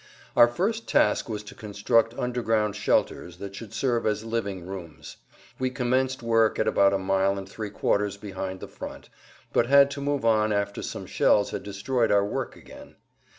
Our first task was to construct underground shelters that should serve as living rooms. We commenced work at about a mile and three quarters behind the front, but had to move on after some shells had destroyed our work again.